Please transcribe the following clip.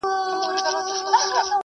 نوروز په ژمي کي نه لمانځل کېږي.